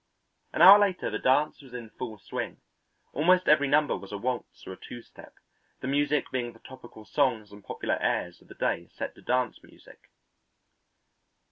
An hour later the dance was in full swing. Almost every number was a waltz or a two step, the music being the topical songs and popular airs of the day set to dance music.